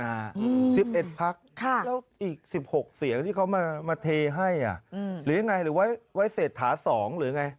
แล้วอีก๑๖เสียงที่เขามาเทให้หรือไงหรือว่าไว้เสร็จถา๒หรือไง